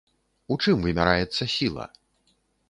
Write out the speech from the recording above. У чым вымяраецца сіла?